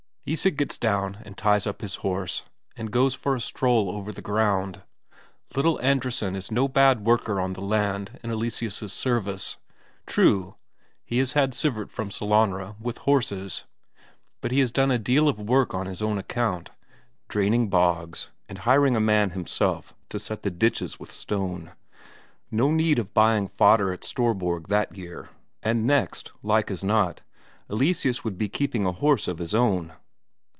Isak gets down and ties up his horse, and goes for a stroll over the ground. Little Andresen is no bad worker on the land in Eleseus' service; true, he has had Sivert from Sellanraa with horses, but he has done a deal of work on his own account, draining bogs, and hiring a man himself to set the ditches with stone. No need of buying fodder at Storborg that year, and next, like as not, Eleseus would be keeping a horse of his own.